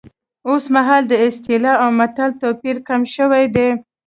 اوس مهال د اصطلاح او متل توپیر کم شوی دی